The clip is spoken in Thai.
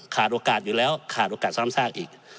ขาดโอกาสอยู่แล้วขาดโอกาสส่างศาสตร์อีก